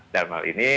dalam hal ini